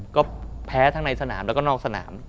ก็แพ้ทั้งในสนามแล้วก็นอกสนาม